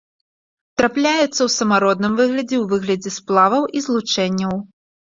Трапляецца ў самародным выглядзе, у выглядзе сплаваў і злучэнняў.